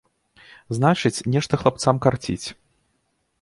Значыць, нешта хлапцам карціць.